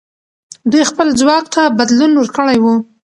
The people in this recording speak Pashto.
دوی خپل ځواک ته بدلون ورکړی وو.